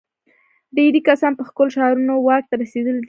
ډېری کسان په ښکلو شعارونو واک ته رسېدلي دي.